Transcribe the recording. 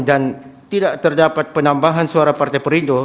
dan tidak terdapat penambahan suara partai perindo